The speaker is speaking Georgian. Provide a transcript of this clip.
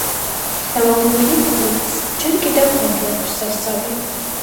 ხელოვნურ ინტელექტს ჯერ კიდევ ბევრი აქვს სასწავლი